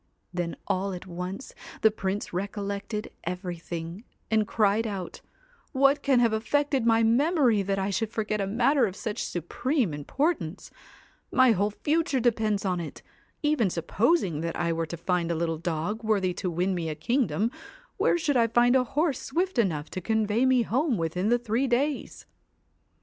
Then all at once the Prince recollected everything, and cried out * What can have affected my memory that I should forget a matter of such supreme importance ! My whole future depends on it. Even supposing that I were to find a little dog worthy to win me a kingdom, where should I find a horse swift enough to convey me home within the three days